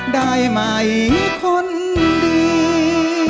ได้ไหมคนดี